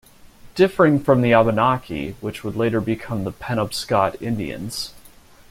Differing from the Abenaki which would later become the Penobscot Indians.